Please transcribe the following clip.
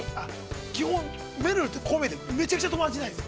◆基本、めるるって、こう見えてめちゃくちゃ友達いないんですよ。